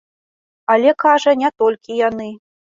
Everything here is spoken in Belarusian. Але, кажа, не толькі яны.